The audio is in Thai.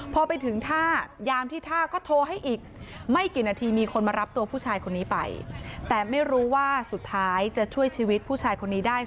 พอไปถึงท่ายามที่ท่าก็โทรให้อีก